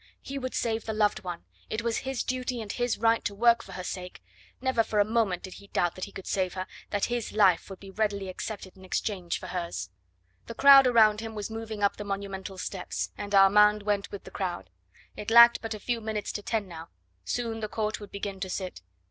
He would save the loved one; it was his duty and his right to work for her sake. Never for a moment did he doubt that he could save her, that his life would be readily accepted in exchange for hers. The crowd around him was moving up the monumental steps, and Armand went with the crowd. It lacked but a few minutes to ten now; soon the court would begin to sit.